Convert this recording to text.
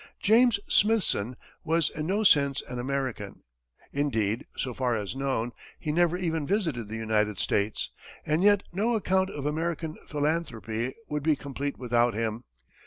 James Smithson was in no sense an American. Indeed, so far as known, he never even visited the United States, and yet no account of American philanthropy would be complete without him.